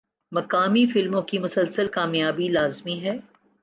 مقامی فلموں کی مسلسل کامیابی لازمی ہے۔